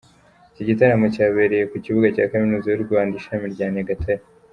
Iki gitaramo cyabereye ku kibuga cya Kaminuza y’u Rwanda ishami rya Nyagatare.